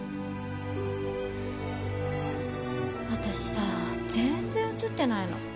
私さ全然写ってないの。